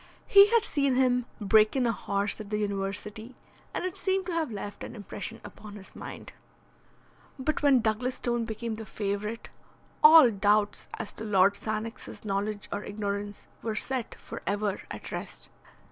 He had seen him break in a horse at the university, and it seemed to have left an impression upon his mind. But when Douglas Stone became the favourite, all doubts as to Lord Sannox's knowledge or ignorance were set for ever at rest.